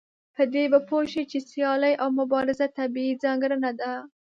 په دې به پوه شئ چې سيالي او مبارزه طبيعي ځانګړنه ده.